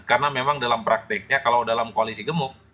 karena memang dalam prakteknya kalau dalam koalisi gemuk